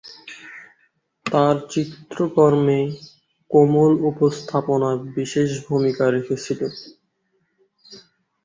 তার চিত্রকর্মে কোমল উপস্থাপনা বিশেষ ভূমিকা রেখেছিল।